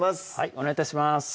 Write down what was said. お願い致します